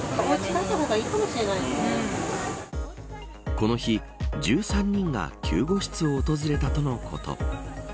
この日、１３人が救護室を訪れたとのこと。